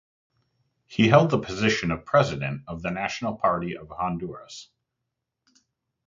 He held the position of president of the National Party of Honduras.